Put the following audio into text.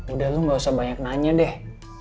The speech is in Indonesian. udah lu gak usah banyak nanya deh